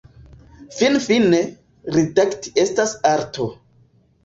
Finfine, redakti estas arto.